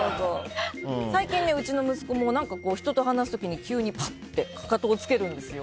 最近うちの息子も人と話す時に急にパッとかかとをつけるんです。